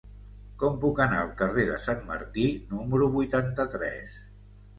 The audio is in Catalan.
Com puc anar al carrer de Sant Martí número vuitanta-tres?